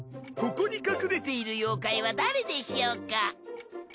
ここに隠れている妖怪は誰でしょうか？